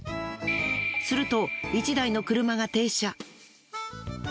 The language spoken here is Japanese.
すると１台の車が停車。